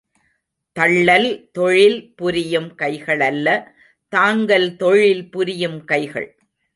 தள்ளல் தொழில் புரியும் கைகளல்ல தாங்கல் தொழில் புரியும் கைகள்.